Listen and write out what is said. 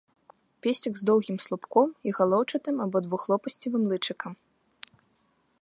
Песцік з доўгім слупком і галоўчатым або двухлопасцевым лычыкам.